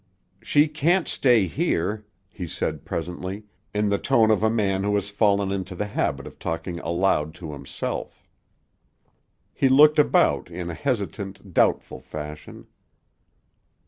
"She can't stay here," he said presently, in the tone of a man who has fallen into the habit of talking aloud to himself. He looked about in a hesitant, doubtful fashion.